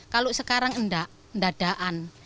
kalau sekarang enggak enggak adaan